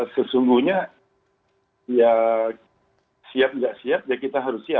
sesungguhnya ya siap nggak siap ya kita harus siap